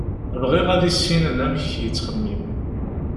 Bɣiɣ ad issinen amek i yettxemmim.